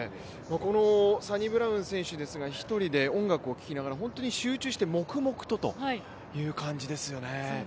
サニブラウン選手ですが、１人で音楽を聴きながら、本当に集中して黙々とという感じですよね。